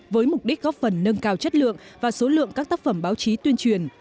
với mục đích góp phần nâng cao chất lượng và số lượng các tác phẩm báo chí tuyên truyền